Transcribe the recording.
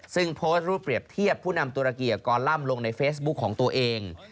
ซึ่งโพสต์รูปเปรียบเทียบผู้นำตุรเกียกรล่ำลงในเฟซบุ๊คของตัวเอง